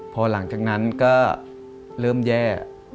พอหลังจากนั้นก็เริ่มแย่